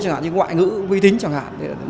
chẳng hạn như ngoại ngữ huy tính chẳng hạn